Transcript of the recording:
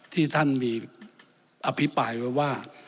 ที่ท่านมีอภิปรายไว้ว่า